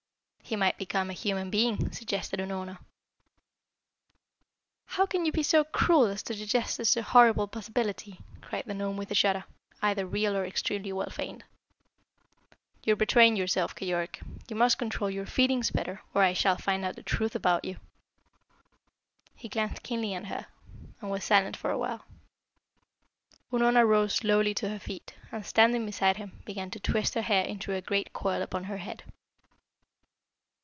"He might become a human being," suggested Unorna. "How can you be so cruel as to suggest such a horrible possibility?" cried the gnome with a shudder, either real or extremely well feigned. "You are betraying yourself, Keyork. You must control your feelings better, or I shall find out the truth about you." He glanced keenly at her, and was silent for a while. Unorna rose slowly to her feet, and standing beside him, began to twist her hair into a great coil upon her head.